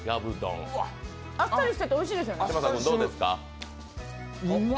あっさりしてて、おいしいですよね？